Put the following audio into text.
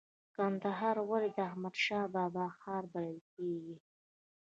کندهار ولې د احمد شاه بابا ښار بلل کیږي؟